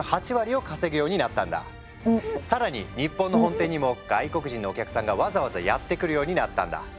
更に日本の本店にも外国人のお客さんがわざわざやって来るようになったんだ。